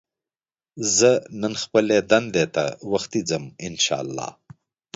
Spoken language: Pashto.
زه نن خپلې دندې ته وختي ځم ان شاءالله